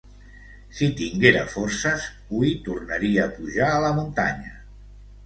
Si tinguera forces, hui tornaria a pujar a la muntanya.